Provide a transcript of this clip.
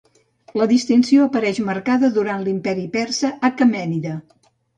La distinció apareix marcada durant l'imperi persa aquemènida.